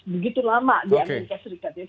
begitu lama di amerika serikat ya